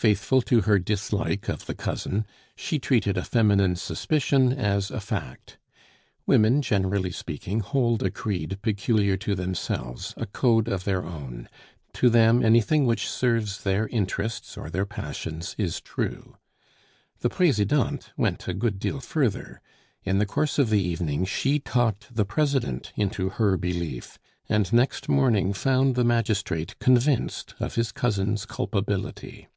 Faithful to her dislike of the cousin, she treated a feminine suspicion as a fact. Women, generally speaking, hold a creed peculiar to themselves, a code of their own; to them anything which serves their interests or their passions is true. The Presidente went a good deal further. In the course of the evening she talked the President into her belief, and next morning found the magistrate convinced of his cousin's culpability.